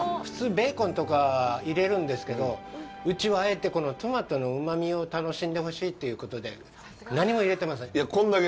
普通、ベーコンとかを入れるんですけど、うちはあえて、このトマトのうまみを楽しんでほしいということで、何も入れてません。